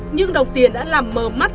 nhưng đồng tiền đã làm mờ mắt